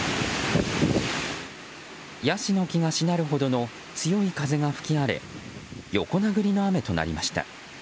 ヤシの木がしなるほどの強い風が吹き荒れ横殴りの雨となりました。